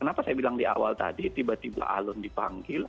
kenapa saya bilang di awal tadi tiba tiba alun dipanggil